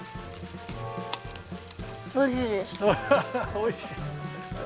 おいしい。